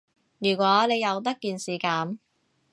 如果你由得件事噉